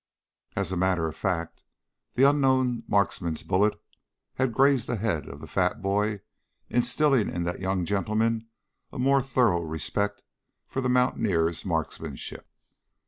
As a matter of fact the unknown marksman's bullet had grazed the head of the fat boy, instilling in that young gentleman a more thorough respect for the mountaineer's marksmanship.